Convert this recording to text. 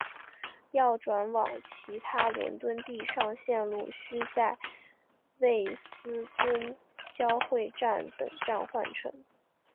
要转往其他伦敦地上线路须在卫斯顿交汇站等站换乘。